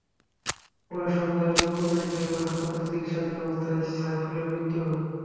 পরে সন্ধ্যায় Rangpur medical college হাসপাতালে চিকিৎসাধীন অবস্থায় সাইফুলের মৃত্যু হয়।